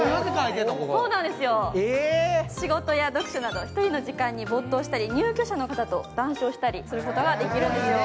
仕事や読書など１人の時間に没頭したり入居者の方と談笑したりすることもできるんですよ。